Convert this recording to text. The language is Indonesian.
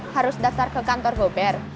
harus daftar ke kantor gober